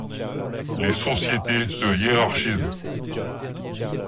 Les sociétés se hiérarchisent.